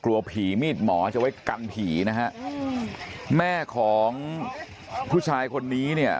กลัวผีมีดหมอจะไว้กันผีนะฮะแม่ของผู้ชายคนนี้เนี่ย